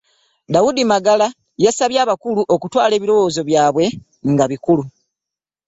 Daudi Malagala yasabye abakulu okutwala ebiriwoozo byabwe nga bikulu